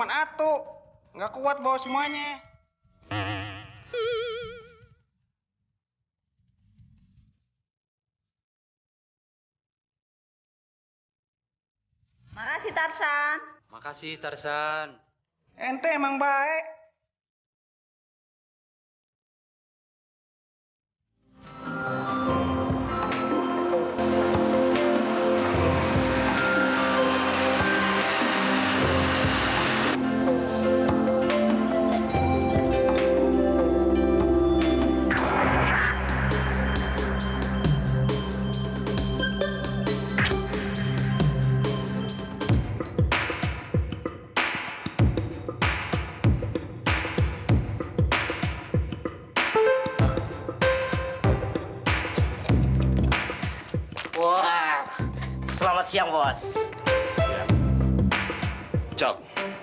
anak kecil sebentar lagi kamu pasti saya tangkap